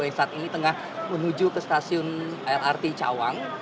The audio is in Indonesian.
yang saat ini tengah menuju ke stasiun lrt cawang